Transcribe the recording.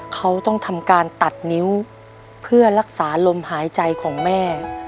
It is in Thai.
เขาต้องทำการตัดนิ้วเพื่อรักษาลมหายใจของแม่